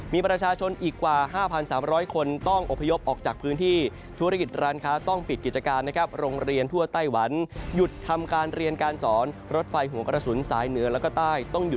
มีประชาชนอีกกว่า๕๓๐๐คนต้องอพยพออกจากพื้นที่ธุรกิจร้านค้าต้องปิดกิจการนะครับโรงเรียนทั่วไต้หวัน